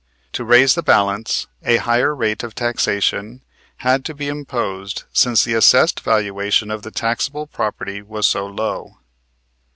To raise the balance a higher rate of taxation had to be imposed since the assessed valuation of the taxable property was so low.